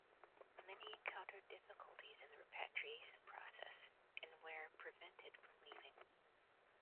Many encountered difficulties in the repatriation process, and where prevented from leaving.